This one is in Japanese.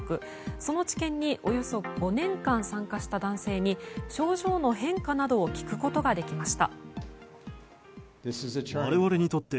その治験におよそ５年間参加した男性に症状の変化などを聞くことができました。